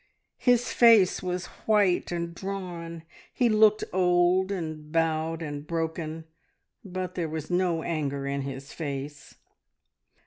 His face was white and drawn. He looked old, and bowed, and broken, but there was no anger in his face.